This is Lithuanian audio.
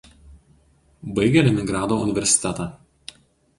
Baigė Leningrado universitetą.